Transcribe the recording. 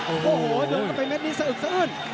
โอ้โหโดนเข้าไปเม็ดนี้สะอึกสะอื้น